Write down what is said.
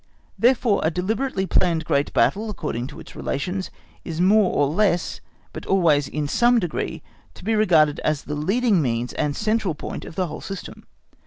Therefore a deliberately planned great battle, according to its relations, is more or less, but always in some degree, to be regarded as the leading means and central point of the whole system.